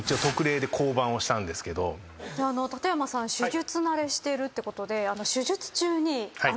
館山さん手術慣れしてるということで。